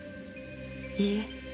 いいえ。